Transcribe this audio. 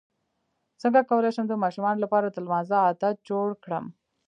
څنګه کولی شم د ماشومانو لپاره د لمانځه عادت جوړ کړم